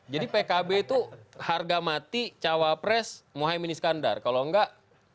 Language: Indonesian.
jadi pkp itu harga mati cawapres mohai mini skandar kalau enggak